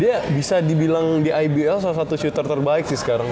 dia bisa dibilang di ibl salah satu shooter terbaik sih sekarang